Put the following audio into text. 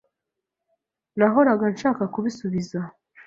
Nahoraga nshaka kubisubiza.